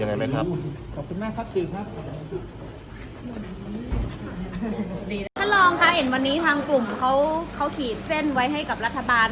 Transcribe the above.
ต้องกำหนดประเด็นที่สภาคุยมั้ย